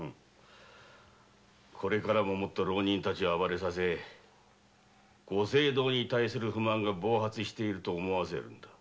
これからももっと浪人たちを暴れさせ御政道に対しての不満が暴発していると思わせるのだ。